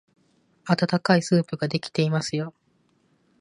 あたたかいスープができていますよ。